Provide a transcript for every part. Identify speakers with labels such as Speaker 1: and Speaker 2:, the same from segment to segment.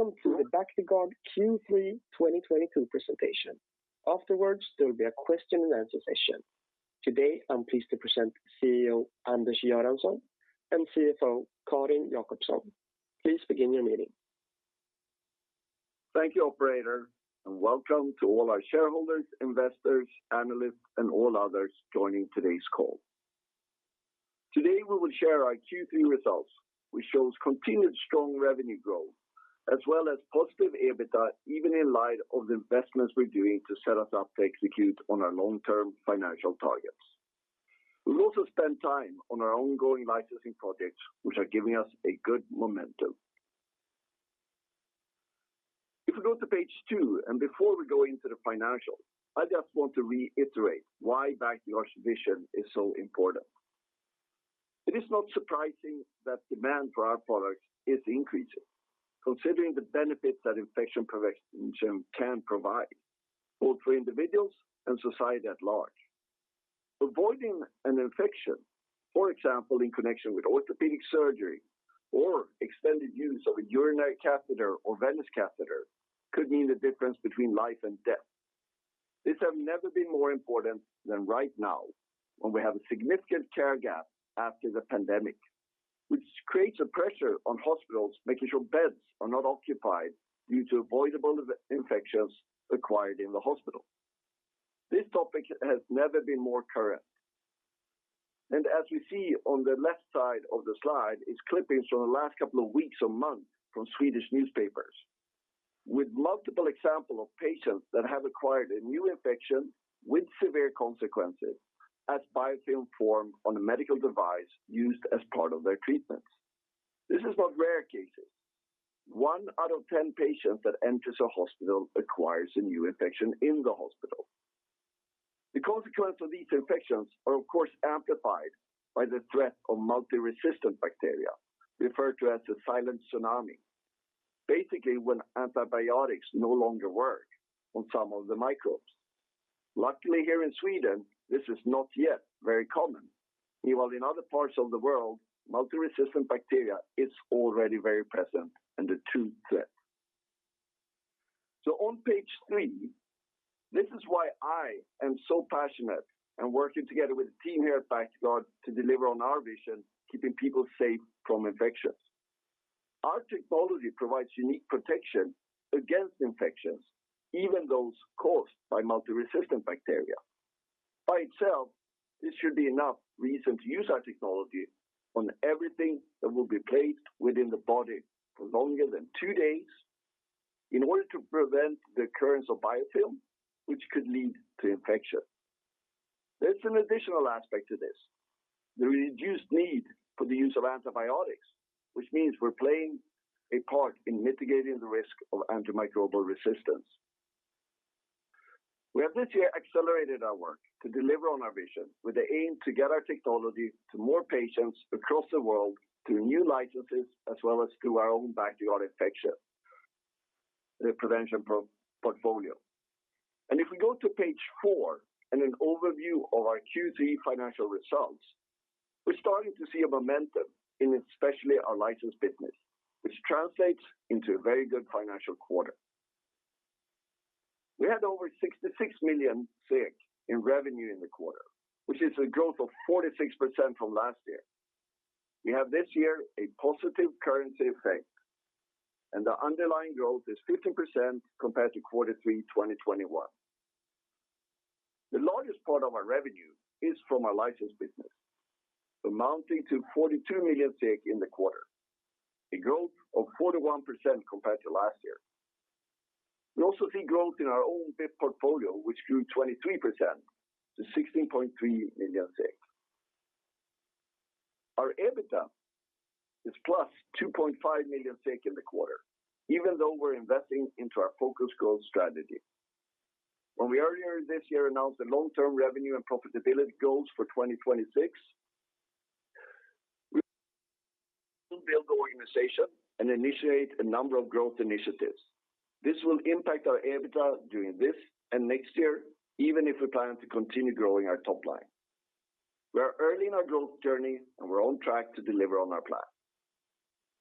Speaker 1: Welcome to the Bactiguard Q3 2022 presentation. Afterwards, there will be a question and answer session. Today, I'm pleased to present CEO Anders Göransson and CFO Carin Jakobson. Please begin your meeting.
Speaker 2: Thank you, operator, and welcome to all our shareholders, investors, analysts, and all others joining today's call. Today, we will share our Q3 results, which shows continued strong revenue growth as well as positive EBITDA, even in light of the investments we're doing to set us up to execute on our long-term financial targets. We'll also spend time on our ongoing licensing projects, which are giving us a good momentum. If you go to page two, and before we go into the financials, I just want to reiterate why Bactiguard's vision is so important. It is not surprising that demand for our products is increasing, considering the benefits that infection prevention can provide both for individuals and society at large. Avoiding an infection, for example, in connection with orthopedic surgery or extended use of a urinary catheter or venous catheter, could mean the difference between life and death. This has never been more important than right now when we have a significant care gap after the pandemic, which creates a pressure on hospitals, making sure beds are not occupied due to avoidable infections acquired in the hospital. This topic has never been more current. As we see on the left side of the slide is clippings from the last couple of weeks or month from Swedish newspapers. With multiple example of patients that have acquired a new infection with severe consequences as biofilm form on a medical device used as part of their treatments. This is not rare cases. One out of ten patients that enters a hospital acquires a new infection in the hospital. The consequence of these infections are, of course, amplified by the threat of multi-resistant bacteria, referred to as the silent tsunami. Basically, when antibiotics no longer work on some of the microbes. Luckily, here in Sweden, this is not yet very common. While in other parts of the world, multi-resistant bacteria is already very present and a true threat. On page three, this is why I am so passionate and working together with the team here at Bactiguard to deliver on our vision, keeping people safe from infections. Our technology provides unique protection against infections, even those caused by multi-resistant bacteria. By itself, this should be enough reason to use our technology on everything that will be placed within the body for longer than two days in order to prevent the occurrence of biofilm, which could lead to infection. There's an additional aspect to this. The reduced need for the use of antibiotics, which means we're playing a part in mitigating the risk of antimicrobial resistance. We have this year accelerated our work to deliver on our vision with the aim to get our technology to more patients across the world through new licenses, as well as through our own Bactiguard Infection Prevention product portfolio. If we go to page four and an overview of our Q3 financial results, we're starting to see a momentum in especially our license business, which translates into a very good financial quarter. We had over 66 million in revenue in the quarter, which is a growth of 46% from last year. We have this year a positive currency effect, and the underlying growth is 15% compared to quarter three 2021. The largest part of our revenue is from our license business, amounting to 42 million in the quarter, a growth of 41% compared to last year. We also see growth in our own BIP portfolio, which grew 23% to 16.3 million. Our EBITDA is +2.5 million in the quarter, even though we're investing into our focus growth strategy. When we earlier this year announced the long-term revenue and profitability goals for 2026, we built the organization and initiated a number of growth initiatives. This will impact our EBITDA during this and next year, even if we plan to continue growing our top line. We are early in our growth journey, and we're on track to deliver on our plan.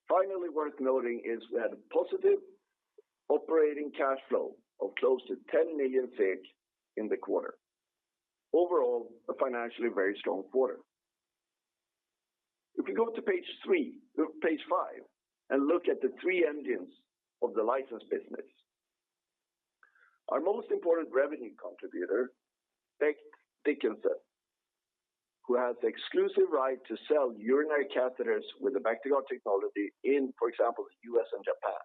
Speaker 2: Finally worth noting is we had a positive operating cash flow of close to 10 million in the quarter. Overall, a financially very strong quarter. If you go to page five and look at the three engines of the license business. Our most important revenue contributor, Becton Dickinson, who has exclusive right to sell urinary catheters with the Bactiguard technology in, for example, U.S. and Japan.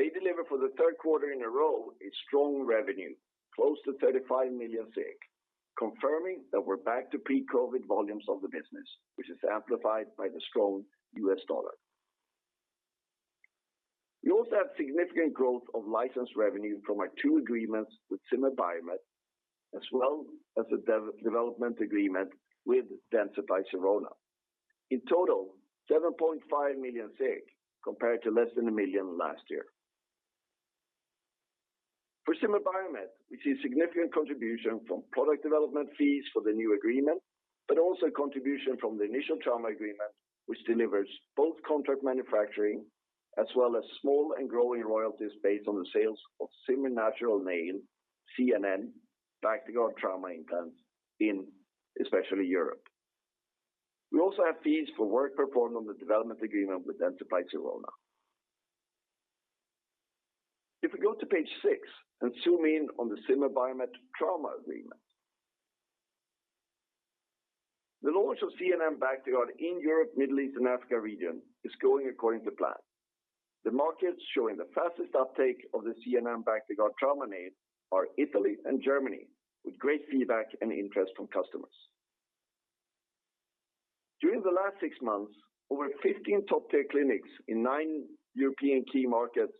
Speaker 2: They deliver for the third quarter in a row a strong revenue, close to 35 million, confirming that we're back to pre-COVID volumes of the business, which is amplified by the strong U.S. dollar. We also have significant growth of license revenue from our two agreements with Zimmer Biomet, as well as a development agreement with Dentsply Sirona. In total, 7.5 million compared to less than 1 million last year. For Zimmer Biomet, we see significant contribution from product development fees for the new agreement, but also contribution from the initial trauma agreement, which delivers both contract manufacturing as well as small and growing royalties based on the sales of Zimmer Natural Nail, ZNN, Bactiguard trauma implants in especially Europe. We also have fees for work performed on the development agreement with Dentsply Sirona. If we go to page six and zoom in on the Zimmer Biomet trauma agreement. The launch of ZNN Bactiguard in Europe, Middle East, and Africa region is going according to plan. The markets showing the fastest uptake of the ZNN Bactiguard trauma nail are Italy and Germany, with great feedback and interest from customers. During the last six months, over 15 top-tier clinics in nine European key markets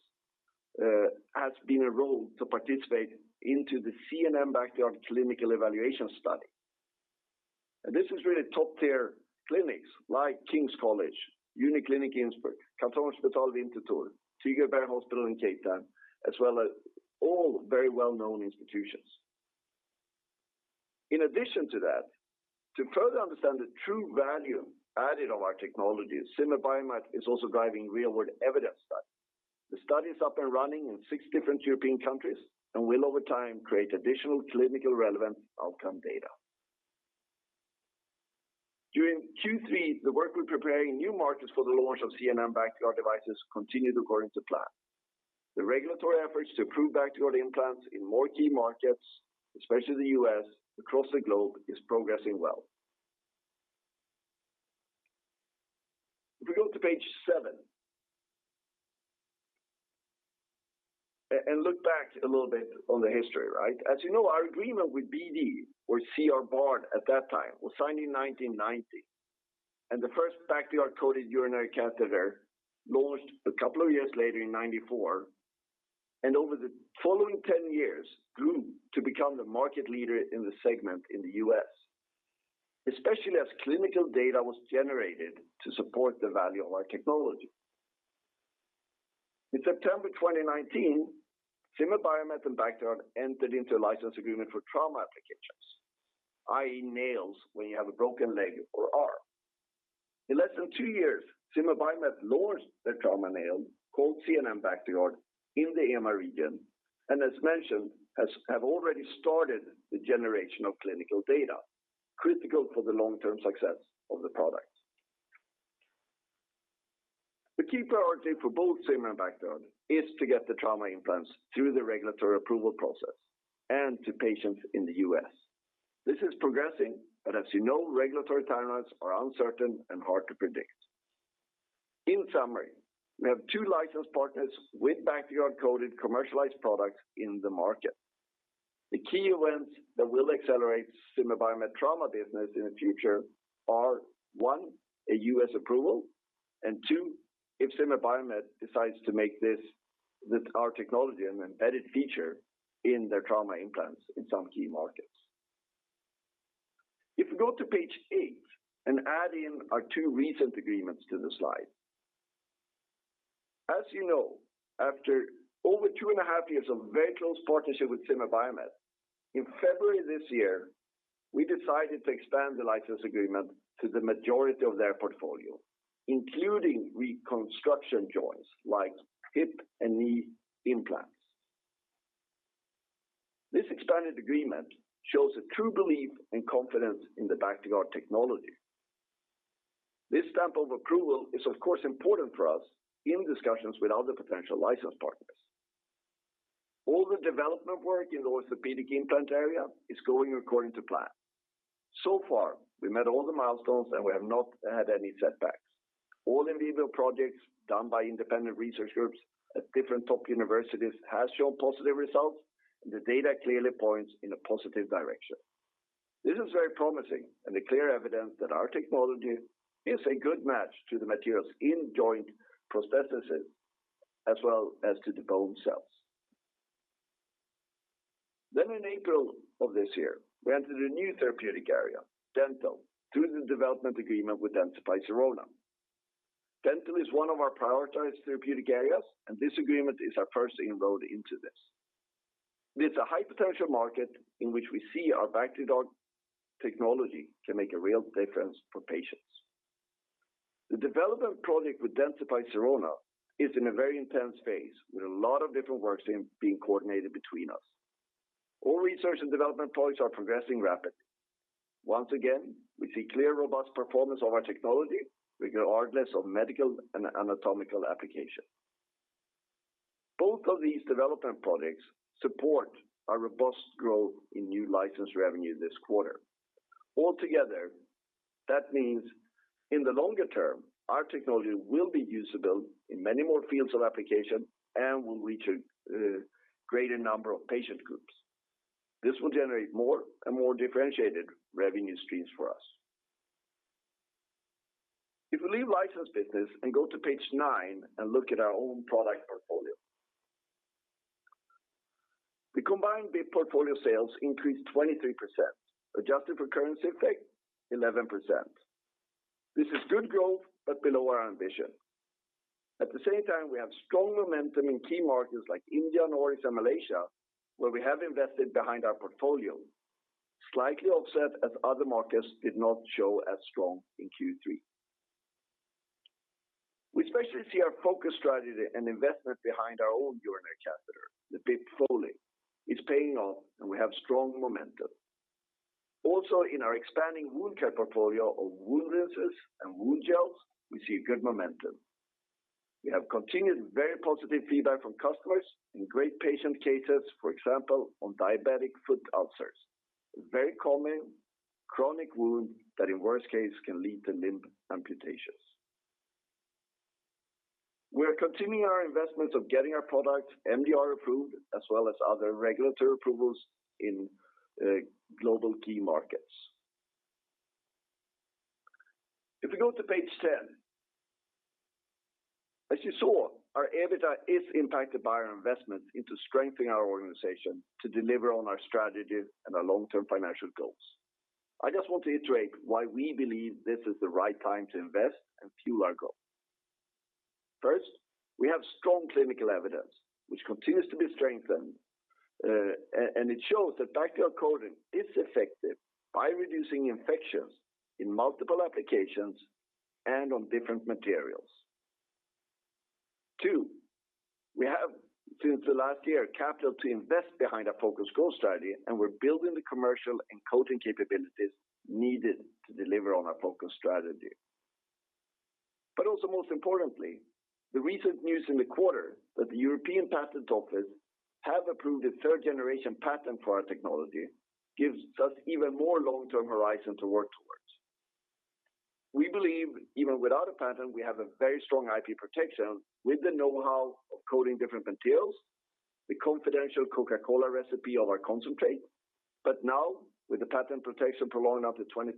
Speaker 2: has been enrolled to participate into the ZNN Bactiguard clinical evaluation study. This is really top-tier clinics like King's College, Uniklinik Innsbruck, Kantonsspital Winterthur, Tygerberg Hospital in Cape Town, as well as all very well-known institutions. In addition to that, to further understand the true value added of our technology, Zimmer Biomet is also driving real-world evidence study. The study is up and running in six different European countries and will over time create additional clinically relevant outcome data. During Q3, the work we're preparing new markets for the launch of ZNN Bactiguard devices continued according to plan. The regulatory efforts to approve Bactiguard implants in more key markets, especially the U.S., across the globe, is progressing well. If we go to page seven and look back a little bit on the history, right? As you know, our agreement with BD or C.R. Bard at that time was signed in 1990. The first Bactiguard-coated urinary catheter launched a couple of years later in 1994, and over the following 10 years, grew to become the market leader in the segment in the U.S., especially as clinical data was generated to support the value of our technology. In September 2019, Zimmer Biomet and Bactiguard entered into a license agreement for trauma applications, i.e., nails when you have a broken leg or arm. In less than two years, Zimmer Biomet launched their trauma nail called ZNN Bactiguard in the EMEA region, and as mentioned, have already started the generation of clinical data critical for the long-term success of the product. The key priority for both Zimmer and Bactiguard is to get the trauma implants through the regulatory approval process and to patients in the U.S. This is progressing, but as you know, regulatory timelines are uncertain and hard to predict. In summary, we have two license partners with Bactiguard-coated commercialized products in the market. The key events that will accelerate Zimmer Biomet trauma business in the future are, one, a U.S. approval, and two, if Zimmer Biomet decides to make this our technology an embedded feature in their trauma implants in some key markets. If you go to page eight and add in our two recent agreements to the slide. As you know, after over two and half years of very close partnership with Zimmer Biomet, in February this year, we decided to expand the license agreement to the majority of their portfolio, including reconstruction joints like hip and knee implants. This expanded agreement shows a true belief and confidence in the Bactiguard technology. This stamp of approval is of course important for us in discussions with other potential license partners. All the development work in the orthopedic implant area is going according to plan. So far, we met all the milestones, and we have not had any setbacks. All in vivo projects done by independent research groups at different top universities has shown positive results, and the data clearly points in a positive direction. This is very promising and a clear evidence that our technology is a good match to the materials in joint prostheses as well as to the bone cells. In April of this year, we entered a new therapeutic area, dental, through the development agreement with Dentsply Sirona. Dental is one of our prioritized therapeutic areas, and this agreement is our first enrolled into this. It's a high-potential market in which we see our Bactiguard technology can make a real difference for patients. The development project with Dentsply Sirona is in a very intense phase, with a lot of different work being coordinated between us. All research and development projects are progressing rapidly. Once again, we see clear, robust performance of our technology regardless of medical and anatomical application. Both of these development projects support our robust growth in new license revenue this quarter. Altogether, that means in the longer term, our technology will be usable in many more fields of application and will reach a greater number of patient groups. This will generate more and more differentiated revenue streams for us. If we leave license business and go to page nine and look at our own product portfolio. The combined BIP portfolio sales increased 23%, adjusted for currency effect, 11%. This is good growth, but below our ambition. At the same time, we have strong momentum in key markets like India, Nordics, and Malaysia, where we have invested behind our portfolio. Slightly offset as other markets did not show as strong in Q3. We especially see our focus strategy and investment behind our own urinary catheter. The BIP Foley is paying off, and we have strong momentum. Also in our expanding wound care portfolio of wound rinses and wound gels, we see good momentum. We have continued very positive feedback from customers in great patient cases, for example, on diabetic foot ulcers. Very common chronic wound that in worst case can lead to limb amputations. We're continuing our investments of getting our product MDR approved as well as other regulatory approvals in global key markets. If you go to page 10. As you saw, our EBITDA is impacted by our investment into strengthening our organization to deliver on our strategy and our long-term financial goals. I just want to iterate why we believe this is the right time to invest and fuel our goal. First, we have strong clinical evidence, which continues to be strengthened. It shows that Bactiguard coating is effective by reducing infections in multiple applications and on different materials. Two, we have, since the last year, capital to invest behind our focused growth strategy, and we're building the commercial and coating capabilities needed to deliver on our focus strategy. Also most importantly, the recent news in the quarter that the European Patent Office have approved a third-generation patent for our technology gives us even more long-term horizon to work towards. We believe even without a patent, we have a very strong IP protection with the know-how of coating different materials, the confidential Coca-Cola recipe of our concentrate. Now, with the patent protection prolonging up to 20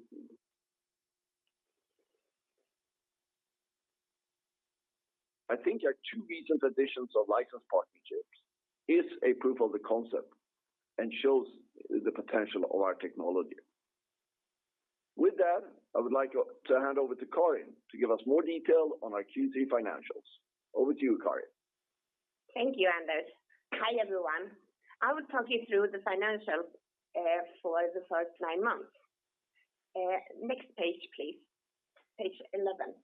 Speaker 2: I think our two recent additions of license partnerships is a proof of the concept and shows the potential of our technology. With that, I would like to hand over to Carin to give us more detail on our Q3 financials. Over to you, Carin.
Speaker 3: Thank you, Anders. Hi, everyone. I will talk you through the financials for the first nine months. Next page, please. Page 11.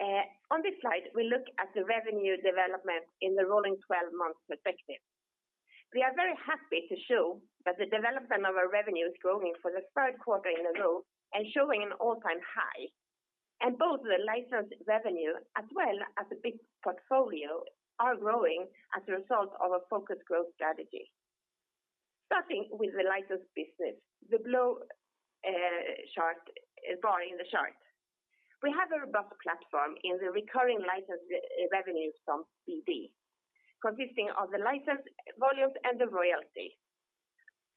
Speaker 3: On this slide, we look at the revenue development in the rolling 12 months perspective. We are very happy to show that the development of our revenue is growing for the third quarter in a row and showing an all-time high. Both the license revenue as well as the BIP portfolio are growing as a result of our focused growth strategy. Starting with the license business, the blue chart bar in the chart. We have a robust platform in the recurring license revenue from BD, consisting of the license volumes and the royalty.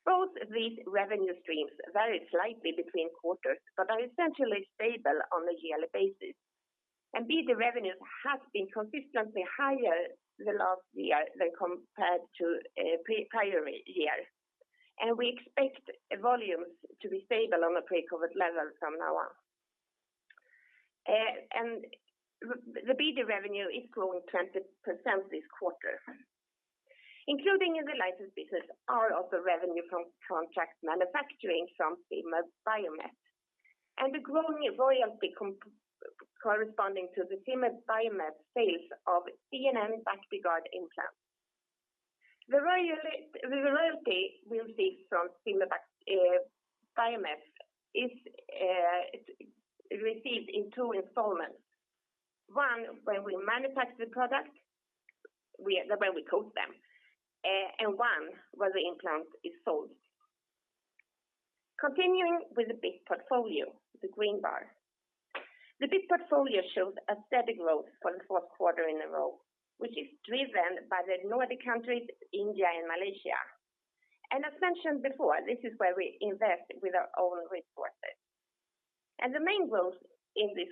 Speaker 3: Both these revenue streams vary slightly between quarters but are essentially stable on a yearly basis. BD revenues have been consistently higher the last year than compared to prior year. We expect volumes to be stable on a pre-COVID level from now on. The BD revenue is growing 20% this quarter. Including in the license business are also revenue from contract manufacturing from Zimmer Biomet and the growing royalty corresponding to the Zimmer Biomet sales of ZNN Bactiguard implants. The royalty we'll see from Zimmer Biomet is received in two installments. One, when we manufacture the product, when we coat them, and one when the implant is sold. Continuing with the BIP portfolio, the green bar. The BIP portfolio shows a steady growth for the fourth quarter in a row, which is driven by the Nordic countries, India, and Malaysia. As mentioned before, this is where we invest with our own resources. The main growth in these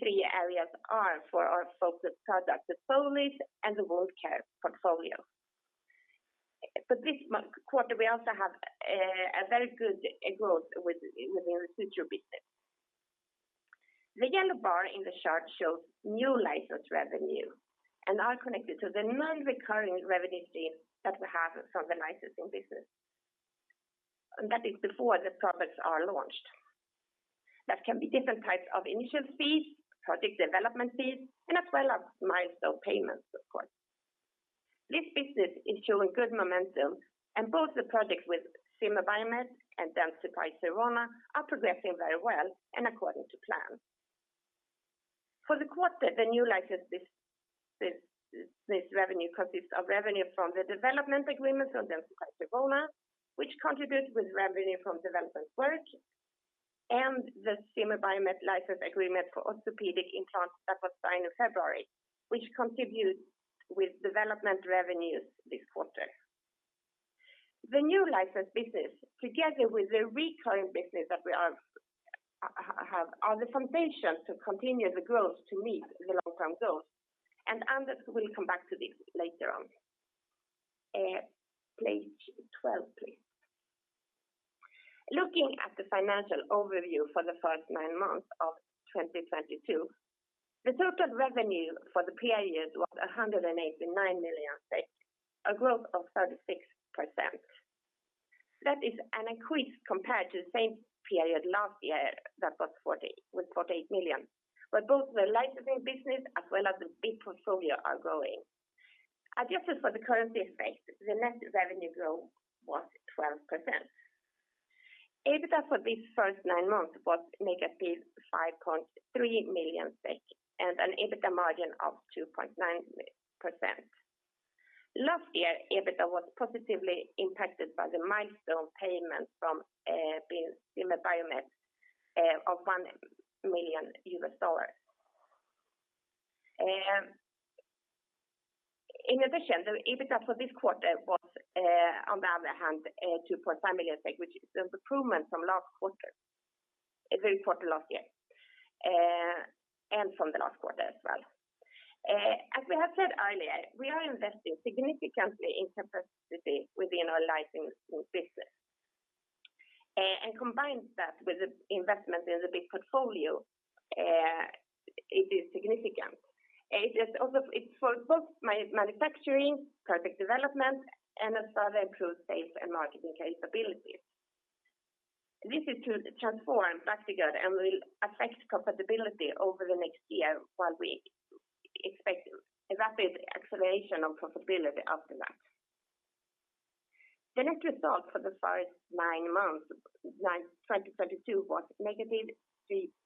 Speaker 3: three areas are for our focused product, the Foley and the wound care portfolio. For this quarter, we also have a very good growth in the suture business. The yellow bar in the chart shows new license revenue and are connected to the non-recurring revenue stream that we have from the licensing business. That is before the products are launched. That can be different types of initial fees, project development fees, and as well as milestone payments, of course. This business is showing good momentum, and both the projects with Zimmer Biomet and Dentsply Sirona are progressing very well and according to plan. For the quarter, the new license business revenue consists of revenue from the development agreement from Dentsply Sirona, which contributes with revenue from development work, and the Zimmer Biomet license agreement for orthopedic implants that was signed in February, which contributes with development revenues this quarter. The new license business, together with the recurring business that we have, are the foundation to continue the growth to meet the long-term goals. Anders will come back to this later on. Page 12, please. Looking at the financial overview for the first nine months of 2022, the total revenue for the period was 189 million, a growth of 36%. That is an increase compared to the same period last year that was 48 million, where both the licensing business as well as the BIP portfolio are growing. Adjusted for the currency effect, the net revenue growth was 12%. EBITDA for the first nine months was -5.3 million SEK and an EBITDA margin of 2.9%. Last year, EBITDA was positively impacted by the milestone payment from Zimmer Biomet of $1 million. In addition, the EBITDA for this quarter was on the other hand 2.5 million, which is an improvement from last quarter, a great quarter last year, and from the last quarter as well. As we have said earlier, we are investing significantly in capacity within our licensing business. And combine that with the investment in the BIP portfolio, it is significant. It is also for both manufacturing, product development, and a further improved sales and marketing capability. This is to transform Bactiguard and will affect profitability over the next year while we expect a rapid acceleration on profitability after that. The net result for the first nine months of 2022 was negative 38.7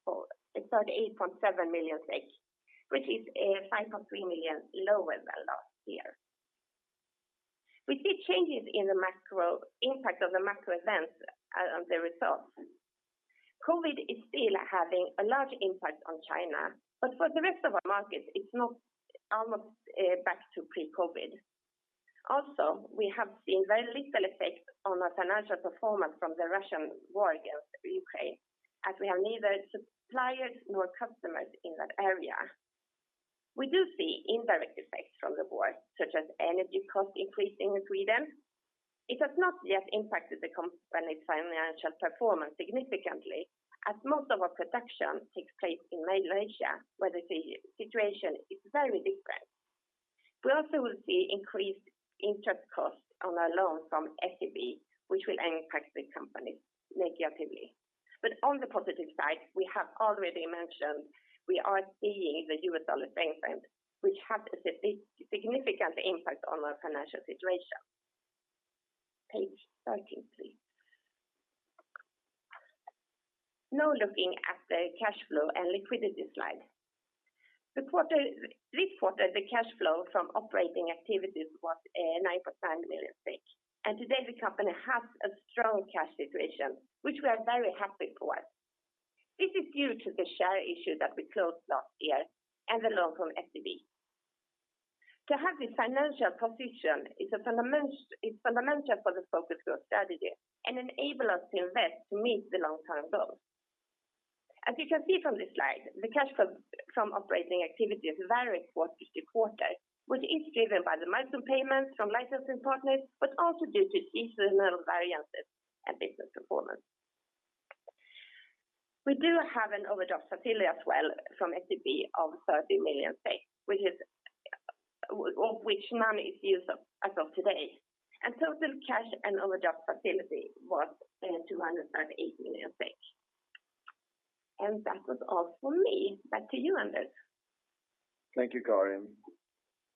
Speaker 3: million, which is 5.3 million lower than last year. We see changes in the macro impact of the macro events on the results. COVID is still having a large impact on China, but for the rest of our markets, it's almost back to pre-COVID. Also, we have seen very little effect on our financial performance from the Russian war against Ukraine, as we have neither suppliers nor customers in that area. We do see indirect effects from the war, such as energy cost increase in Sweden. It has not yet impacted the company's financial performance significantly, as most of our production takes place in Malaysia, where the situation is very different. We also will see increased interest costs on our loan from SEB, which will impact the company negatively. On the positive side, we have already mentioned we are seeing the US dollar strength, which has a significant impact on our financial situation. Page 13, please. Now, looking at the cash flow and liquidity slide. This quarter, the cash flow from operating activities was 9.9 million. Today, the company has a strong cash situation, which we are very happy for. This is due to the share issue that we closed last year and the loan from SEB. To have this financial position is fundamental for the focused growth strategy and enable us to invest to meet the long-term goals. As you can see from this slide, the cash flow from operating activities vary quarter to quarter, which is driven by the milestone payments from licensing partners, but also due to seasonal variances and business performance. We do have an overdraft facility as well from SEB of 30 million, of which none is used as of today. The total cash and overdraft facility was 208 million. That was all from me. Back to you, Anders.
Speaker 2: Thank you, Carin.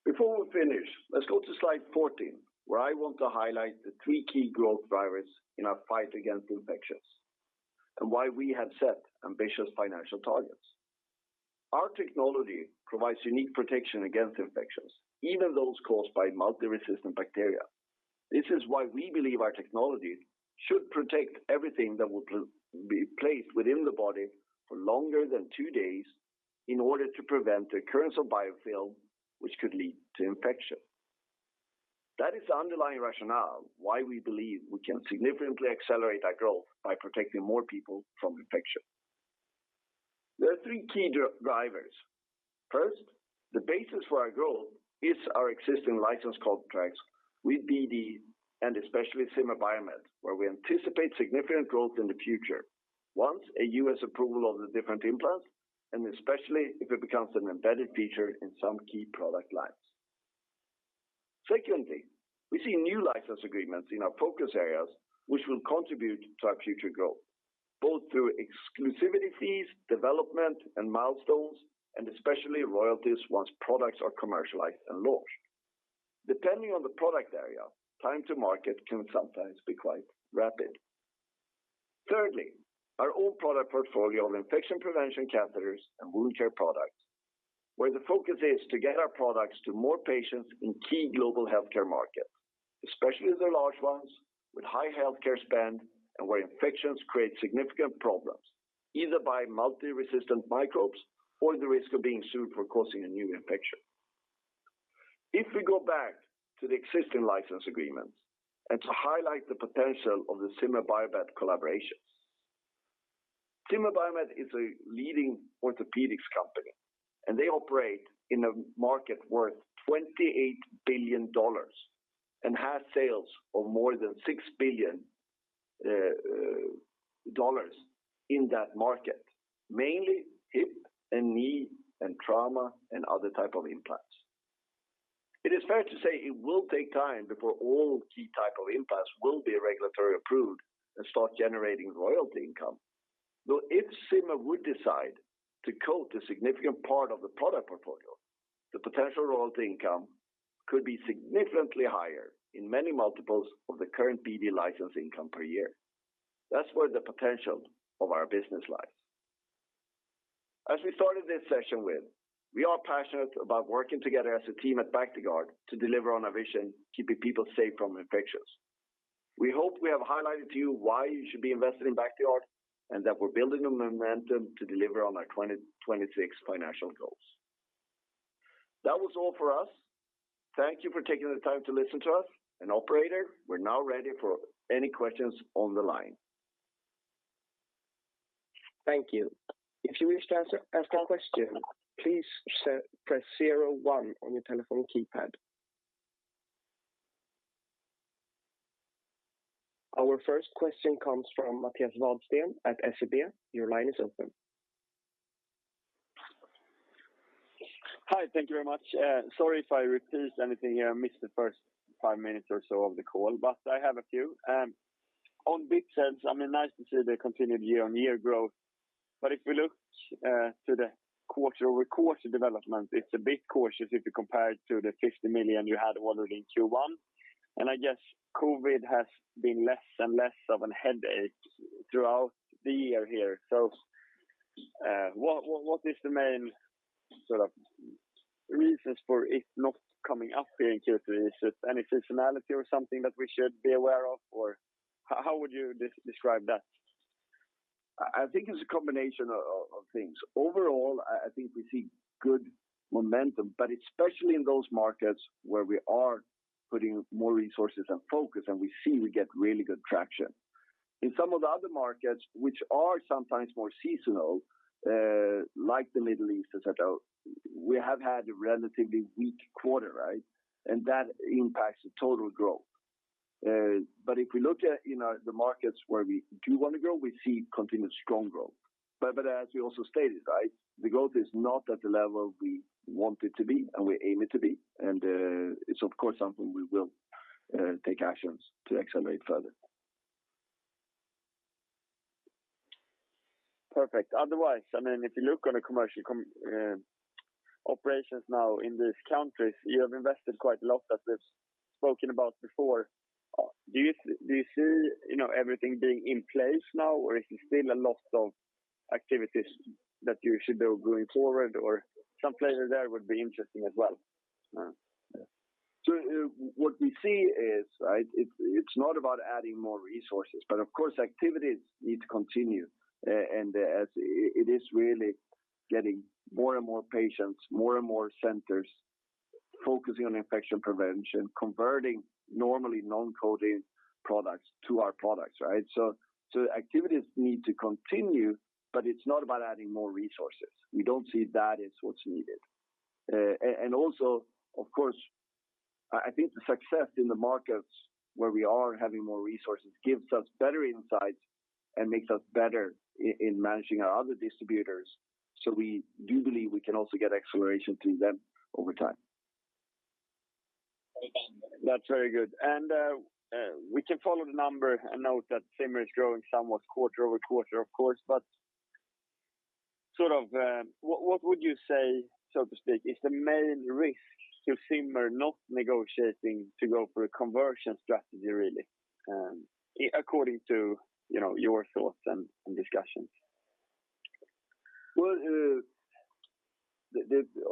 Speaker 2: Before we finish, let's go to slide 14, where I want to highlight the three key growth drivers in our fight against infections and why we have set ambitious financial targets. Our technology provides unique protection against infections, even those caused by multi-resistant bacteria. This is why we believe our technology should protect everything that will be placed within the body for longer than two days in order to prevent the occurrence of biofilm, which could lead to infection. That is the underlying rationale why we believe we can significantly accelerate our growth by protecting more people from infection. There are three key drivers. First, the basis for our growth is our existing license contracts with BD and especially Zimmer Biomet, where we anticipate significant growth in the future once a U.S. approval of the different implants, and especially if it becomes an embedded feature in some key product lines. Secondly, we see new license agreements in our focus areas, which will contribute to our future growth, both through exclusivity fees, development and milestones, and especially royalties once products are commercialized and launched. Depending on the product area, time to market can sometimes be quite rapid. Thirdly, our own product portfolio of infection prevention catheters and wound care products, where the focus is to get our products to more patients in key global healthcare markets, especially the large ones with high healthcare spend and where infections create significant problems, either by multi-resistant microbes or the risk of being sued for causing a new infection. If we go back to the existing license agreements and to highlight the potential of the Zimmer Biomet collaboration. Zimmer Biomet is a leading orthopedics company, and they operate in a market worth $28 billion and have sales of more than $6 billion in that market, mainly hip and knee and trauma and other type of implants. It is fair to say it will take time before all key type of implants will be regulatory approved and start generating royalty income, though if Zimmer would decide to coat a significant part of the product portfolio, the potential royalty income could be significantly higher in many multiples of the current BD license income per year. That's where the potential of our business lies. As we started this session with, we are passionate about working together as a team at Bactiguard to deliver on our vision, keeping people safe from infections. We hope we have highlighted to you why you should be invested in Bactiguard and that we're building the momentum to deliver on our 2026 financial goals. That was all for us. Thank you for taking the time to listen to us. Operator, we're now ready for any questions on the line.
Speaker 1: Thank you. If you wish to ask a question, please press 01 on your telephone keypad. Our first question comes from Mattias Vadsten at SEB. Your line is open.
Speaker 4: Hi. Thank you very much. Sorry if I repeat anything here. I missed the first five minutes or so of the call, but I have a few. I mean, on BIP sales, nice to see the continued year-on-year growth. If we look to the quarter-over-quarter development, it's a bit cautious if you compare it to the 50 million you had ordered in Q1. I guess COVID has been less and less of a headache throughout the year here. What is the main sort of reasons for it not coming up here in Q3? Is it any seasonality or something that we should be aware of, or how would you describe that?
Speaker 2: I think it's a combination of things. Overall, I think we see good momentum, but especially in those markets where we are putting more resources and focus, and we see we get really good traction. In some of the other markets, which are sometimes more seasonal, like the Middle East, et cetera, we have had a relatively weak quarter, right? That impacts the total growth. If we look at, you know, the markets where we do want to grow, we see continued strong growth. As we also stated, right, the growth is not at the level we want it to be and we aim it to be. It's of course something we will take actions to accelerate further.
Speaker 4: Perfect. Otherwise, I mean, if you look on the commercial operations now in these countries, you have invested quite a lot, as we've spoken about before. Do you see, you know, everything being in place now, or is there still a lot of activities that you should build going forward, or some place in there would be interesting as well?
Speaker 2: What we see is, it's not about adding more resources, but of course, activities need to continue. As it is really getting more and more patients, more and more centers focusing on infection prevention, converting normally non-coated products to our products, right? Activities need to continue, but it's not about adding more resources. We don't see that as what's needed. Also, of course, I think the success in the markets where we are having more resources gives us better insights and makes us better in managing our other distributors. We do believe we can also get acceleration through them over time.
Speaker 4: Okay.
Speaker 2: That's very good.
Speaker 4: We can follow the number and note that Zimmer is growing somewhat quarter-over-quarter, of course. Sort of, what would you say, so to speak, is the main risk to Zimmer not negotiating to go for a conversion strategy, really, according to, you know, your thoughts and discussions?
Speaker 2: Well,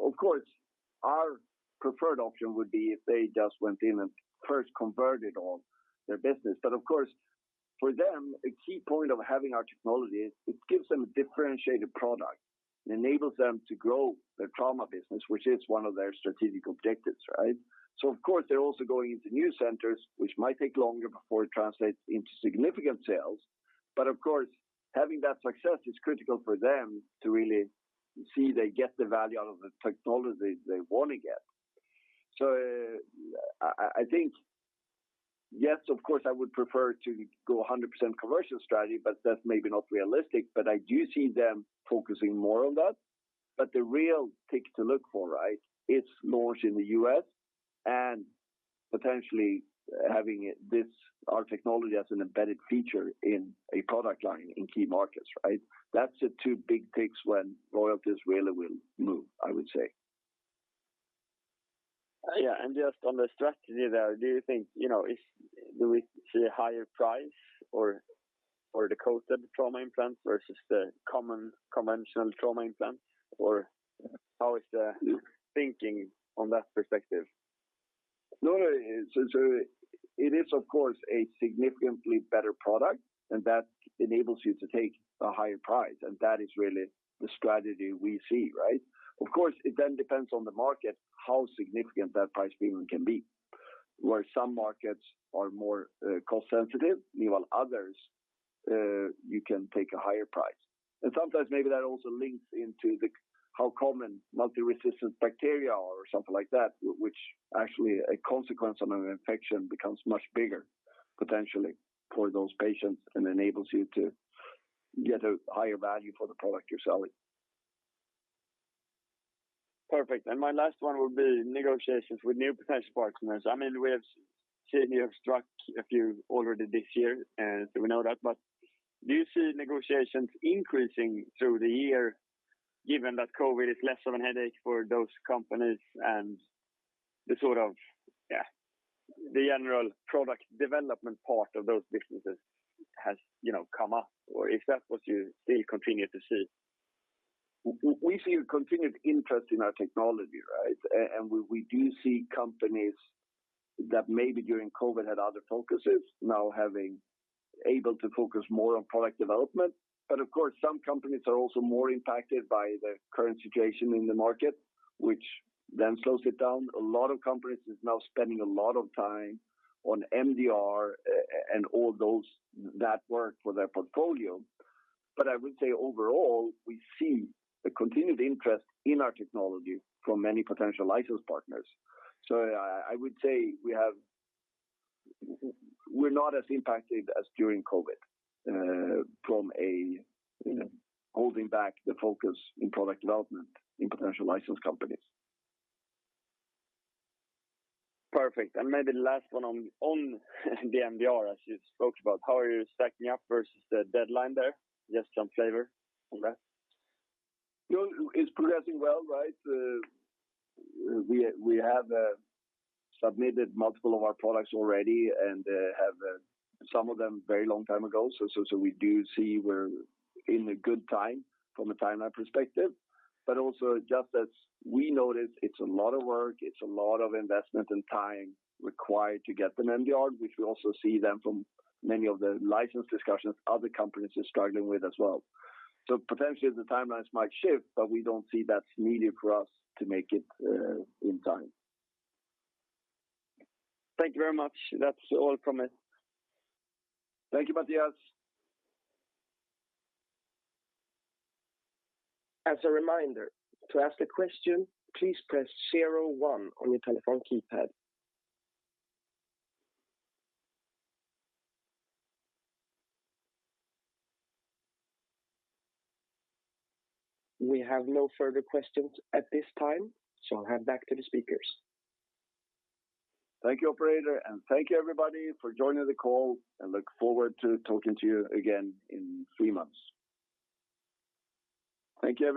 Speaker 2: of course, our preferred option would be if they just went in and first converted all their business. Of course, for them, a key point of having our technology is it gives them a differentiated product and enables them to grow their trauma business, which is one of their strategic objectives, right? Of course, they're also going into new centers, which might take longer before it translates into significant sales. Of course, having that success is critical for them to really see they get the value out of the technology they want to get. I think, yes, of course, I would prefer to go 100% commercial strategy, but that's maybe not realistic. I do see them focusing more on that. The real tick to look for, right, is launch in the U.S. and potentially having this, our technology as an embedded feature in a product line in key markets, right? That's the two big ticks when royalties really will move, I would say.
Speaker 4: Just on the strategy there, do you think, you know, do we see a higher price for the coated trauma implant versus the common conventional trauma implant, or how is the thinking on that perspective?
Speaker 2: No, no. It is, of course, a significantly better product, and that enables you to take a higher price, and that is really the strategy we see, right? Of course, it then depends on the market, how significant that price premium can be. Where some markets are more cost sensitive, meanwhile others you can take a higher price. Sometimes maybe that also links into the how common multi-resistant bacteria are or something like that, which actually a consequence of an infection becomes much bigger potentially for those patients and enables you to get a higher value for the product you're selling.
Speaker 4: Perfect. My last one would be negotiations with new potential partners. I mean, we have seen you have struck a few already this year, and we know that. Do you see negotiations increasing through the year given that COVID is less of a headache for those companies and the sort of, yeah, the general product development part of those businesses has, you know, come up? Is that what you still continue to see?
Speaker 2: We see a continued interest in our technology, right? We do see companies that maybe during COVID had other focuses now having able to focus more on product development. Of course, some companies are also more impacted by the current situation in the market, which then slows it down. A lot of companies is now spending a lot of time on MDR and all those that work for their portfolio. I would say overall, we see a continued interest in our technology from many potential license partners. I would say we're not as impacted as during COVID, from a, you know, holding back the focus in product development in potential license companies.
Speaker 4: Perfect. Maybe last one on the MDR as you spoke about, how are you stacking up versus the deadline there? Just some flavor on that.
Speaker 2: No, it's progressing well, right? We have submitted multiple of our products already and have some of them a very long time ago. We do see we're in a good time from a timeline perspective. Also just as we noticed, it's a lot of work, it's a lot of investment and time required to get the MDR, which we also see then from many of the license discussions other companies are struggling with as well. Potentially the timelines might shift, but we don't see that's needed for us to make it in time.
Speaker 4: Thank you very much. That's all from me.
Speaker 2: Thank you, Mattias.
Speaker 1: As a reminder, to ask a question, please press zero one on your telephone keypad. We have no further questions at this time, so I'll hand back to the speakers.
Speaker 2: Thank you, operator, and thank you everybody for joining the call and look forward to talking to you again in three months. Thank you.